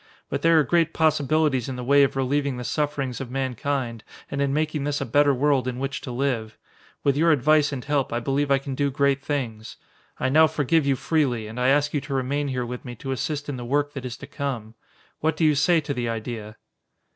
But there are great possibilities in the way of relieving the sufferings of mankind and in making this a better world in which to live. With your advice and help I believe I can do great things. I now forgive you freely and I ask you to remain here with me to assist in the work that is to come. What do you say to the idea?"